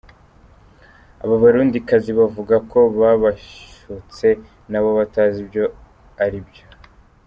Aba barundikazi bavuga ko babashutse nabo batazi ibyo aribyo